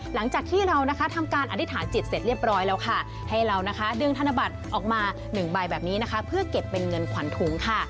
หลังจากที่เรานะคะทำการอธิษฐานจิตเสร็จเรียบร้อยแล้วค่ะให้เรานะคะดึงธนบัตรออกมา๑ใบแบบนี้นะคะเพื่อเก็บเป็นเงินขวัญถุงค่ะ